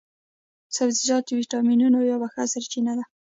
سبزیجات د ویټامینو یوه ښه سرچينه ده